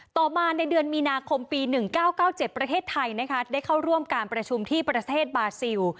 ต่อมาในเดือนมีนาคมปีหนึ่งเก้าเก้าเจ็ดประเทศไทยนะคะได้เข้าร่วมการประชุมที่ประเทศบาซิล